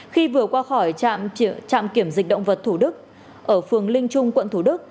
khi vừa qua khỏi trạm kiểm dịch động vật thủ đức ở phường linh trung quận thủ đức